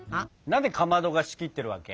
何でかまどが仕切ってるわけ？